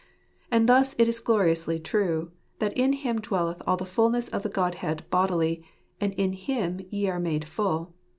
And thus it is gloriously true, that "in Him dwelleth all the fulness of the Godhead bodily j and in Him ye are made full."